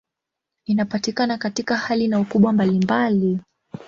Inapatikana katika hali na ukubwa mbalimbali.